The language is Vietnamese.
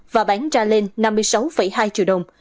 và bán ra lên năm mươi sáu hai triệu đồng